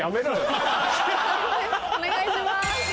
判定お願いします。